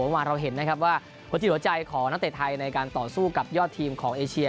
เมื่อวานเราเห็นนะครับว่าหัวจิตหัวใจของนักเตะไทยในการต่อสู้กับยอดทีมของเอเชีย